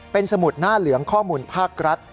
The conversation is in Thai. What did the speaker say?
เป็นสมุดหน้าเหลืองข้อมูลภาครัฐ